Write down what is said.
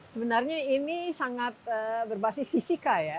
sebenarnya ini sangat berbasis fisika ya